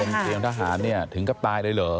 เตรียมทหารเนี่ยถึงกับตายเลยเหรอ